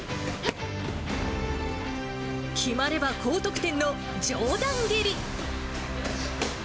決まれば高得点の、上段蹴り。